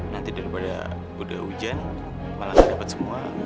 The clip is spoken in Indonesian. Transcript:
nanti daripada udah hujan malah saya dapat semua